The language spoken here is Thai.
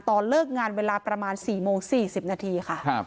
ตอนเลิกงานเวลาประมาณ๔โมง๔๐นาทีค่ะ